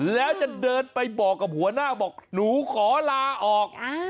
แล้วจะเดินไปบอกกับหัวหน้าบอกหนูขอลาออก